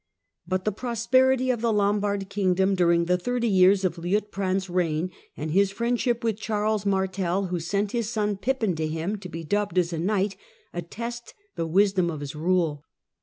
But the prosperity of the Lombard kingdom during the thirty years of Liutprand's reign, and his friendship with Charles Martel, who sent his son Pippin to him to be dubbed as a knight, attest the wisdom of his rule.